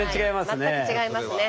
全く違いますね。